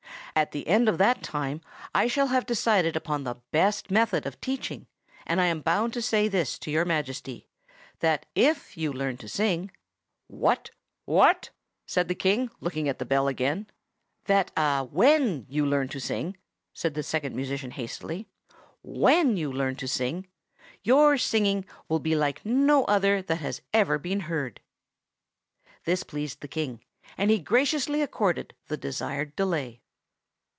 At the end of that time I shall have decided upon the best method of teaching; and I am bound to say this to Your Majesty, that if you learn to sing—" "What?" said the King, looking at the bell again. "That when you learn to sing," said the Second Musician hastily,—"when you learn to sing, your singing will be like no other that has ever been heard." This pleased the King, and he graciously accorded the desired delay.